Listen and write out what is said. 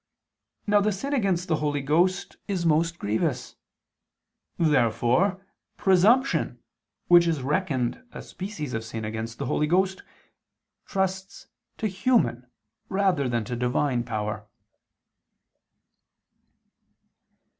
Now the sin against the Holy Ghost is most grievous. Therefore presumption, which is reckoned a species of sin against the Holy Ghost, trusts to human rather than to Divine power.